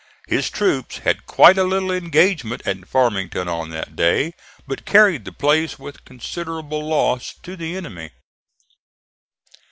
His troops had quite a little engagement at Farmington on that day, but carried the place with considerable loss to the enemy.